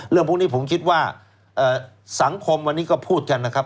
เรื่องพวกนี้ผมคิดว่าสังคมวันนี้ก็พูดกันนะครับ